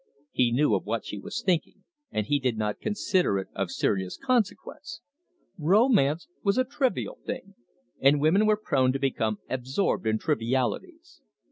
He knew of what she was thinking, and he did not consider it of serious consequence. Romance was a trivial thing, and women were prone to become absorbed in trivialities.